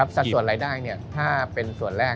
สัดส่วนรายได้ถ้าเป็นส่วนแรก